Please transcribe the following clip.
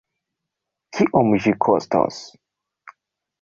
Kiom ĝi kostos?